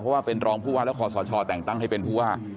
เพราะว่าเป็นรองผู้ว่าและคอสชแต่งตั้งให้เป็นผู้ว่า